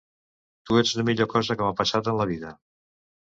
Tu ets la millor cosa que m'ha passat en la vida.